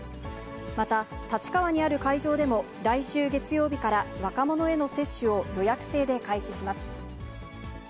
また、立川にある会場でも、来週月曜日から若者への接種を予約制で開始します。